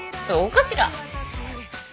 そうかしら？